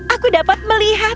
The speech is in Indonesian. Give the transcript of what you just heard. aku dapat melihat